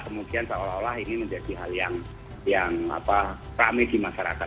kemudian seolah olah ini menjadi hal yang rame di masyarakat